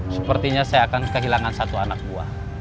sepertinya saya akan kehilangan satu anak buah